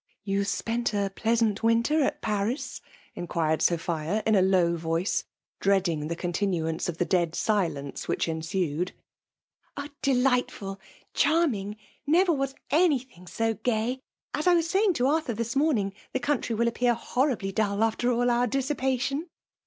"You spent a pleasant winter at Paris?" inquired Sophia in a low voice, dreading the continuance of the dead silence which ensued. Ah'! delightful, — charming! — ^never was anything so gay. As I was saying to Arthur this moiiiiog, the country will appear horribly dtdl after all our dissipation."